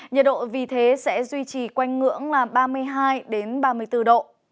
nhiệt độ vì thế sẽ duy trì quanh ngưỡng là ba mươi hai ba mươi bốn độ